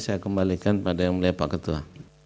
saya kembalikan pada yang mulia pak ketua